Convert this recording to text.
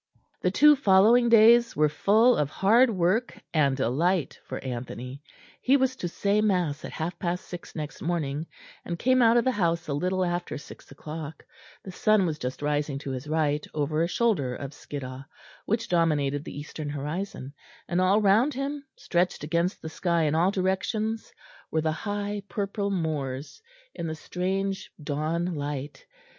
The two following days were full of hard work and delight for Anthony. He was to say mass at half past six next morning, and came out of the house a little after six o'clock; the sun was just rising to his right over a shoulder of Skiddaw, which dominated the eastern horizon; and all round him, stretched against the sky in all directions, were the high purple moors in the strange dawn light.